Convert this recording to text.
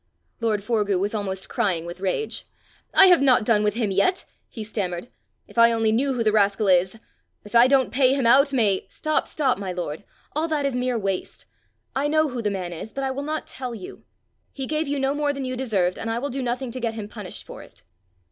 Lord Forgue was almost crying with rage. "I have not done with him yet!" he stammered. "If I only knew who the rascal is! If I don't pay him out, may " "Stop, stop, my lord. All that is mere waste! I know who the man is, but I will not tell you. He gave you no more than you deserved, and I will do nothing to get him punished for it."